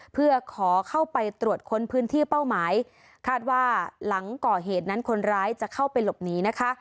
เพื่อขอเข้าไปตรวจค้นพื้นที่เป้าหมายคาดว่าหลังก่อเหตุนั้นคนร้ายจะเข้าไปหลบหนีนะคะ